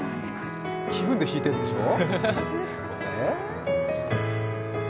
気分で弾いてるんでしょう？